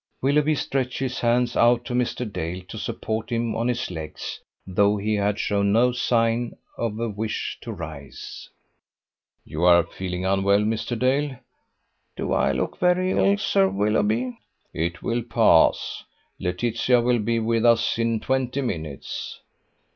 .." Willoughby stretched his hands out to Mr. Dale to support him on his legs, though he had shown no sign of a wish to rise. "You are feeling unwell, Mr. Dale." "Do I look very ill, Sir Willoughby?" "It will pass. Laetitia will be with us in twenty minutes."